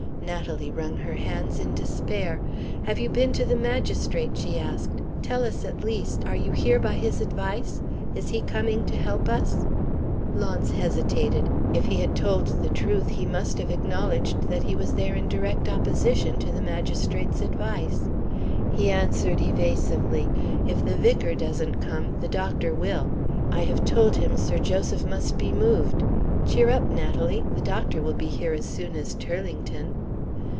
Natalie wrung her hands in despair. "Have you been to the magistrate?" she asked. "Tell us, at least, are you here by his advice? Is he coming to help us?" Launce hesitated. If he had told the truth, he must have acknowledged that he was there in direct opposition to the magistrate's advice. He answered evasively, "If the vicar doesn't come, the doctor will. I have told him Sir Joseph must be moved. Cheer up, Natalie! The doctor will be here as soon as Turlington."